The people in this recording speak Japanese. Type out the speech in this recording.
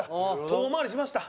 遠回りしました。